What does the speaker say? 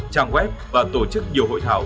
trang web và tổ chức nhiều hội thảo